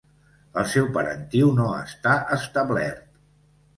El seu parentiu no està establert.